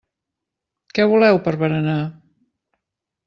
Què voleu per berenar?